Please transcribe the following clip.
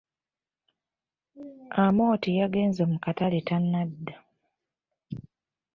Amooti yagenze mu katale tanadda.